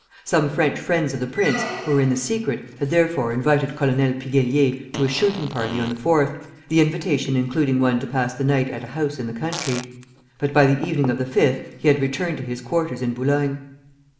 Some French friends of the prince, who were in the secret, had therefore invited Colonel Piguellier to a shooting party on the 4th, the invitation including one to pass the night at a house in the country; but by the evening of the 5th he had returned to his quarters in Boulogne.